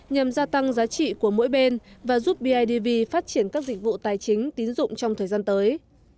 nhằm gia tăng giá trị của mỗi bên và giúp bidv phát triển các dịch vụ tài chính tín dụng trong thời gian tới